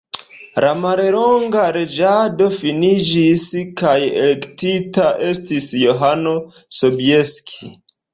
La mallonga reĝado finiĝis kaj elektita estis Johano Sobieski.